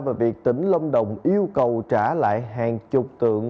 về việc tỉnh long đồng yêu cầu trả lại hàng chục tượng